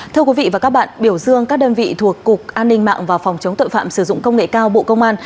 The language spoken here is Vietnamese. thưa quý vị và các bạn biểu dương các đơn vị thuộc cục an ninh mạng và phòng chống tội phạm sử dụng công nghệ cao bộ công an